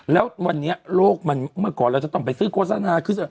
แล้ววันนี้โลกมันเมื่อก่อนเราจะต้องไปซื้อโฆษณาขึ้น